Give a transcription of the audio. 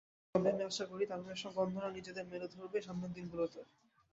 তবে আমি আশা করি, তামিমের সঙ্গে অন্যরাও নিজেদের মেলে ধরবে সামনের দিনগুলোতে।